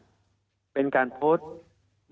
ไม่ได้มีเกษตราทางด้านการตลัดหรือเปล่า